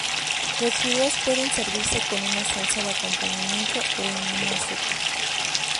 Los fideos pueden servirse con una salsa de acompañamiento o en una sopa.